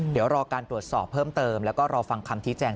เดี๋ยวรอการตรวจสอบเพิ่มเติมแล้วก็รอฟังคำชี้แจง